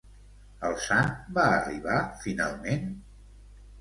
El Sant va arribar, finalment?